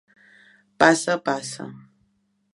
Passa a passa.